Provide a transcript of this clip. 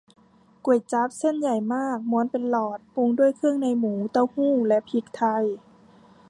ก๋วยจั๊บ เส้นใหญ่มากม้วนเป็นหลอด ปรุงด้วยเครื่องในหมู เต้าหู้ และพริกไทย